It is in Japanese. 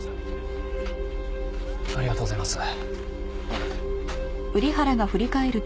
ありがとうございます。